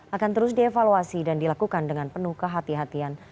akan terus dievaluasi dan dilakukan dengan penuh kehati hatian